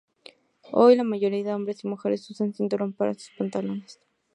Hoy, la mayoría de los hombres y mujeres usan cinturón para sus pantalones.